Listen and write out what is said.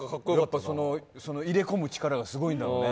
入れ込む力がすごいんだろうね。